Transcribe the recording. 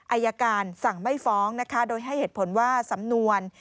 อายการสั่งไม่ฟ้องนะคะโดยให้เหตุผลว่าสำนวน